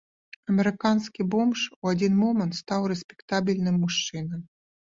Амерыканскі бомж у адзін момант стаў рэспектабельным мужчынам.